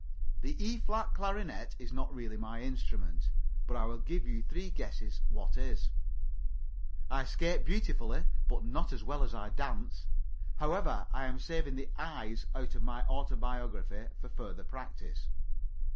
The E flat clarionet is not really my instrument, but I will give you three guesses what is. I skate beautifully, but not so well as I dance. However, I am saving the I's out of my autobiography for further practice.